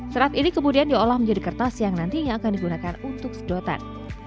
serat ini kemudian diolah menjadi kertas yang nantinya akan digunakan untuk sedotan